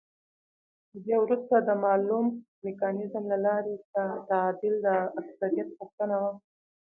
او بيا وروسته د مالوم ميکانيزم له لارې که تعديل د اکثريت غوښتنه وه،